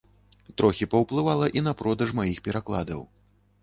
Трохі паўплывала і на продаж маіх перакладаў.